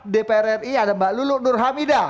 dpr ri ada mbak lulu nur hamidah